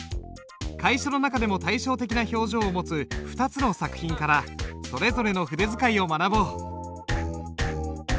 楷書の中でも対照的な表情を持つ２つの作品からそれぞれの筆使いを学ぼう。